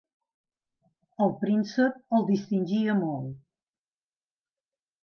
El príncep el distingia molt.